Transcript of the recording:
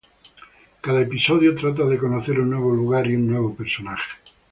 Cada episodio trata de conocer un nuevo lugar y un nuevo personaje.